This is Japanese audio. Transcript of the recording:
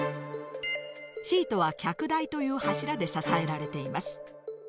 シートは脚台という柱で支えられています。